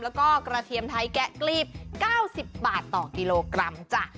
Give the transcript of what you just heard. แล้วก็กระเทียมไทยแกะกลีบ๙๐บาทต่อกิโลกรัมจ้ะ